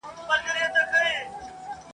چي یې شور په شاوخوا کي وو جوړ کړی ..